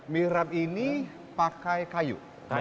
mihrab ini pakai kayu